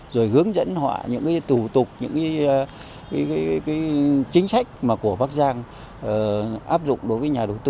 rồi hướng dẫn họ những tủ tục những chính sách mà của bắc giang áp dụng đối với nhà đầu tư